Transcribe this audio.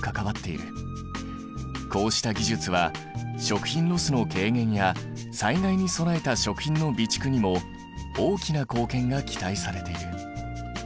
こうした技術は食品ロスの軽減や災害に備えた食品の備蓄にも大きな貢献が期待されている。